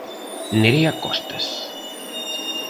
Nerea Costas.